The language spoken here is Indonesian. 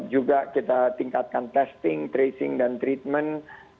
juga kita tingkatkan testing tracing dan treatment